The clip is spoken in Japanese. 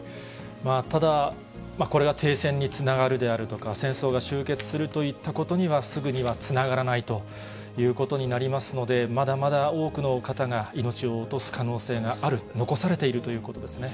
ただ、これが停戦につながるであるとか、戦争が終結するといったことにはすぐにはつながらないということになりますので、まだまだ多くの方が命を落とす可能性がある、残されているということですね。